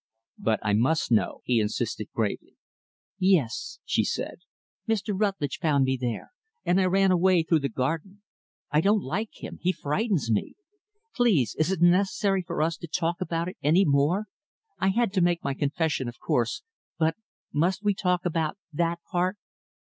"But I must know," he insisted gravely. "Yes," she said, "Mr. Rutlidge found me there; and I ran away through the garden. I don't like him. He frightens me. Please, is it necessary for us to talk about it any more? I had to make my confession of course, but must we talk about that part?"